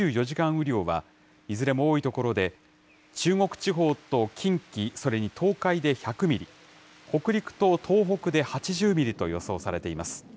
雨量は、いずれも多い所で、中国地方と近畿、それに東海で１００ミリ、北陸と東北で８０ミリと予想されています。